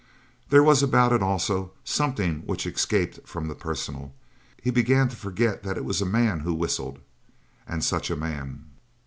There was about it, also, something which escaped from the personal. He began to forget that it was a man who whistled, and such a man!